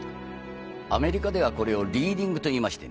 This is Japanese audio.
アメリカではこれをリーディングと言いましてね。